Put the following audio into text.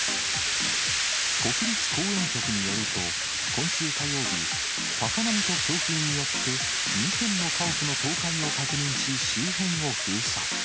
国立公園局によると、今週火曜日、高波と強風によって、２軒の家屋の倒壊を確認し、周辺を封鎖。